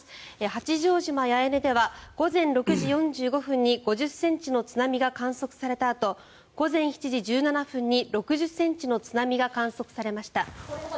八丈島・八重根では午前６時４５分に５０ｃｍの津波が観測されたあと午前７時１７分に６０ｃｍの津波が観測されました。